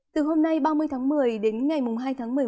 từ hôm nay ba mươi tháng một mươi đến ngày hai tháng một mươi một